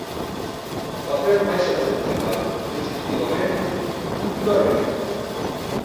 Facer máis atractiva retributivamente, curricularmente.